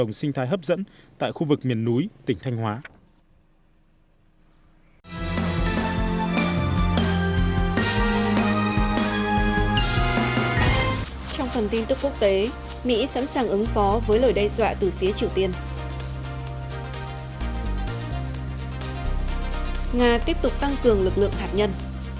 nga tiếp tục tăng cường lực lượng hạt nhân